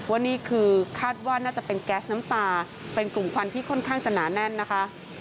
ว่านี่คือคาดว่าน่าจะเป็นแก๊สน้ำตาเป็นกลุ่มควันที่ค่อนข้างจะหนาแน่นนะคะ